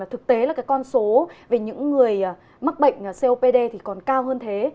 thực tế là con số về những người mắc bệnh copd còn cao hơn thế